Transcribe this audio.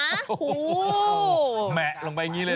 แหมะลงไปอย่างงี้เลยเหรอ